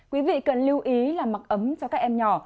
quý vị cần lưu ý là mặc ấm cho các em nhỏ